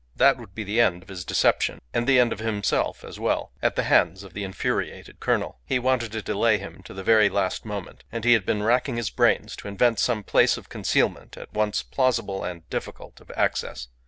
That would be the end of his deception, and the end of himself as well, at the hands of the infuriated colonel. He wanted to delay him to the very last moment; and he had been racking his brains to invent some place of concealment at once plausible and difficult of access.